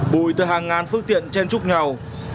bùi từ hàng ngàn phước tiện chen trúc nhau